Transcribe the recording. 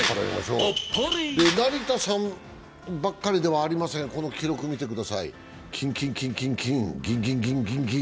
成田さんばっかりではありません、この記録見てください。